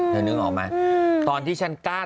นึกออกไหมตอนที่ฉันกล้า